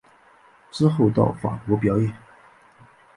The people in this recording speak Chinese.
之后到法国表演。